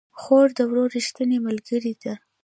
خور د ورور ريښتينې ملګرې ده